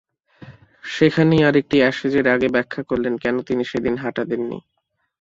সেখানেই আরেকটি অ্যাশেজের আগে ব্যাখ্যা করলেন কেন তিনি সেদিন হাঁটা দেননি।